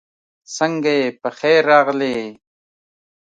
سنګه یی پخير راغلې